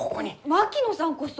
槙野さんこそ！